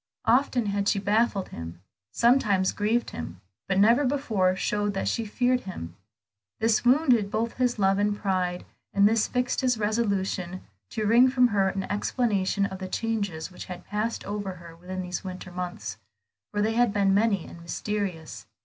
Often had she baffled him, sometimes grieved him, but never before showed that she feared him. This wounded both his love and pride, and this fixed his resolution, to wring from her an explanation of the changes which had passed over her within those winter months, for they had been many and mysterious.